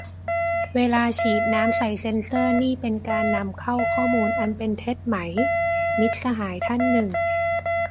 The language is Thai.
เวลาฉีดน้ำใส่เซนเซอร์นี่เป็นการนำเข้าข้อมูลอันเป็นเท็จไหม มิตรสหายท่านหนึ่ง